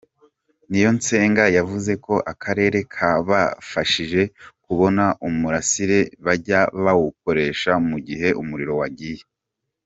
Niyonsenga yavuze ko akarere kabafashije kubona umurasire bajya bawukoresha mu gihe umuriro wagiye.